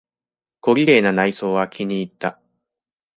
小綺麗な内装は気にいった。